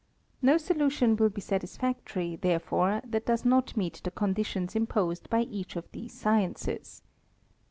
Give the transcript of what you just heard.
No solu tion will be satisfactory, therefore, that does not meet the con ditions imposed by each of these sciences.